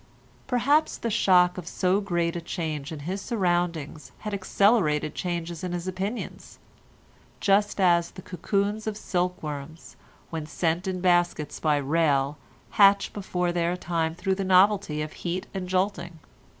Perhaps the shock of so great a change in his surroundings had accelerated changes in his opinions, just as the cocoons of silkworms, when sent in baskets by rail, hatch before their time through the novelty of heat and jolting.